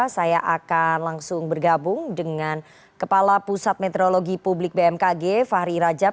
saya akan langsung bergabung dengan kepala pusat meteorologi publik bmkg fahri rajab